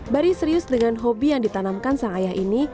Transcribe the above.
bari serius dengan hobi yang ditanamkan sang ayah ini